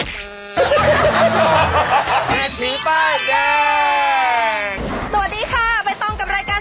สวัสดีค่ะใบตองกับรายการ